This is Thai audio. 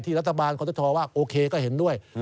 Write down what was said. ที่รัฐบาลเขาจะชอบว่าโอเคก็เห็นด้วย